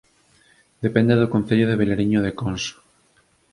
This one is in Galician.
Depende do Concello de Vilariño de Conso